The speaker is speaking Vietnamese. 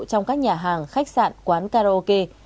trong các nhà hàng khách sạn quán karaoke